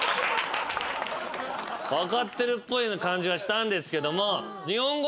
分かってるっぽいような感じはしたんですけども。